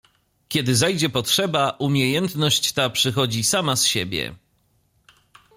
Kiedy zajdzie potrzeba, umiejętność ta przychodzi sama z siebie.